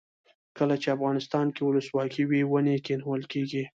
کله چې افغانستان کې ولسواکي وي ونې کینول کیږي.